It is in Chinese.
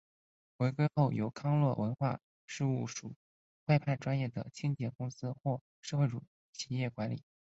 回归后由康乐文化事务署外判专业的清洁公司或社会企业管理。